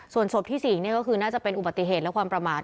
ส่วนศพที่๔ก็คือน่าจะเป็นอุบัติเหตุและความประมาท